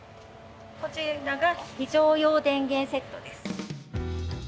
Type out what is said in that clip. こちらが非常用電源セットです。